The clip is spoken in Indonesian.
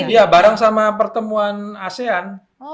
iya bareng sama pertemuan asean